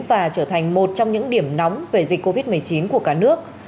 và trở thành một trong những điểm nóng về dịch covid một mươi chín của cả nước